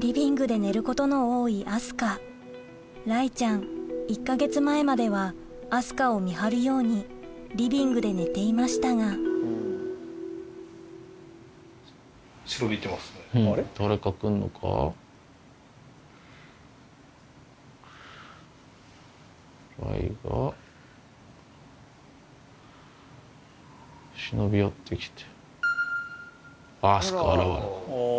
リビングで寝ることの多い明日香雷ちゃん１か月前までは明日香を見張るようにリビングで寝ていましたが雷が忍び寄って来て。